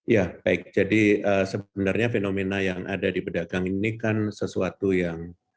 ya baik jadi sebenarnya fenomena yang ada di pedagang ini kan sesuatu yang